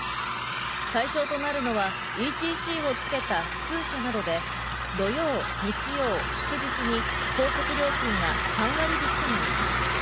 対象となるのはＥＴＣを付けた普通車などで、土曜、日曜、祝日に高速料金が３割引きとなります。